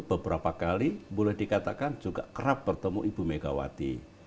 beberapa kali boleh dikatakan juga kerap bertemu ibu megawati